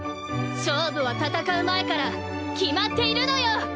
勝負は戦う前から決まっているのよ！